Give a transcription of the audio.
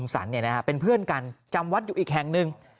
สรรค์เป็นเพื่อนกันจำวัดอยู่อีกแห่งหนึ่ง